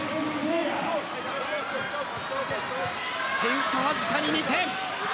点差は、わずかに２点。